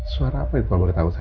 suara apa itu yang terbawa ketakutan